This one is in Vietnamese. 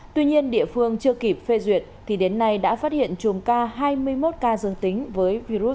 tuy nhiên địa phương chưa kịp phê duyệt thì đến nay đã phát hiện chùm ca hai mươi một ca dương tính với virus sars cov hai